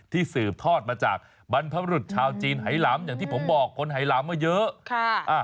สืบทอดมาจากบรรพบรุษชาวจีนไหลำอย่างที่ผมบอกคนไหลำมาเยอะ